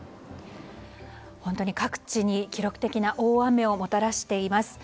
本当に、各地に記録的な大雨をもたらしています。